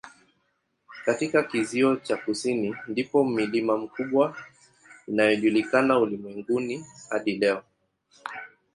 Katika kizio cha kusini ndipo milima mikubwa inayojulikana ulimwenguni hadi leo.